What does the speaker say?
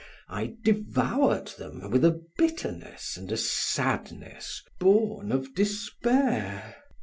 I devoured them with a bitterness and a sadness born of despair.